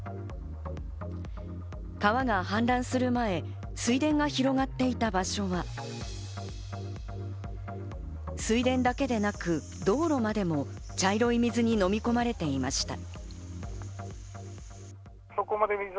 川が氾濫する前、水田が広がっていた場所は、水田だけでなく、道路までも茶色い水に飲み込まれていました。